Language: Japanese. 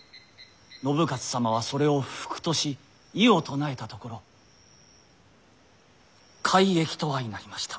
信雄様はそれを不服とし異を唱えたところ改易と相なりました。